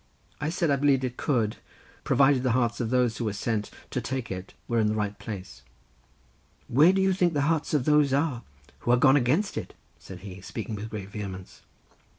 I said I believed it could, provided the hearts of those who were sent to take it were in the right place. "Where do you think the hearts of those are who are gone against it?" said he—speaking with great vehemence.